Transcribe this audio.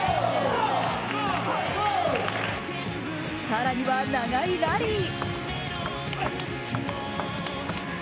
更には、長いラリー。